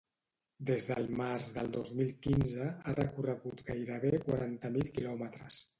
Des del març del dos mil quinze ha recorregut gairebé quaranta mil quilòmetres.